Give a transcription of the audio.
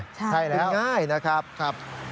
ใช่แล้วใช่แล้วขึ้นง่ายนะครับ